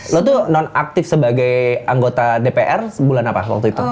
lo tuh non aktif sebagai anggota dpr sebulan apa waktu itu